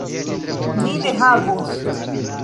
Ni ne havos!